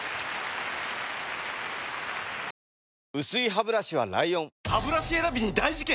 薄いハブラシは ＬＩＯＮハブラシ選びに大事件！